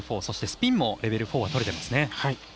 そして、スピンもレベル４はとれていますね。